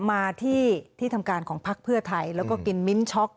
มาที่ที่ทำการของพักเพื่อไทยแล้วก็กินมิ้นช็อก